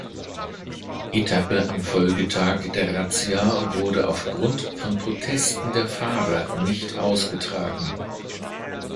Etappe am Folgetag der Razzia wurde auf Grund von Protesten der Fahrer nicht ausgetragen.